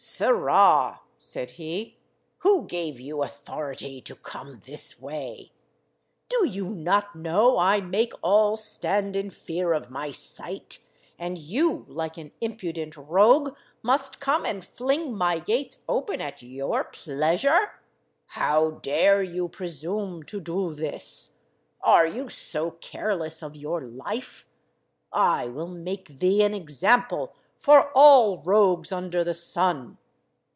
"Sirrah," said he, "who gave you authority to come this way? Do you not know I make all stand in fear of my sight, and you, like an impudent rogue, must come and fling my gates open at your pleasure? How dare you presume to do this? Are you so careless of your life? I will make thee an example for all rogues under the sun.